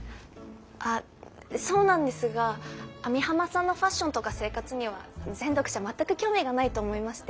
あっそうなんですが網浜さんのファッションとか生活には全読者全く興味がないと思いまして。